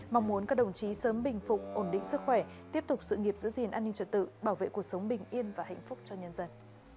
mong muốn các đồng chí sớm bình phục ổn định sức khỏe tiếp tục sự nghiệp giữ gìn an ninh trật tự bảo vệ cuộc sống bình yên và hạnh phúc cho nhân dân